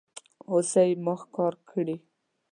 هوسۍ ما ښکار کړي